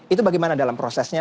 itu bagaimana dalam prosesnya